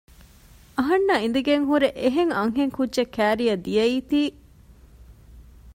އަހަންނާ އިނދެގެންހުރެ އެހެން އަންހެން ކުއްޖެއް ކައިރިއަށް ދިޔައީތީ